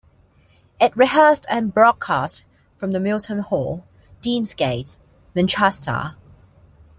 It rehearsed and broadcast from the Milton Hall, Deansgate, Manchester.